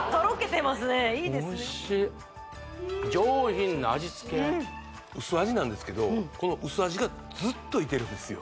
おいしいっ上品な味つけ薄味なんですけどこの薄味がずっといけるんですよ